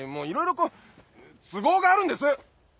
いろいろこう都合があるんです！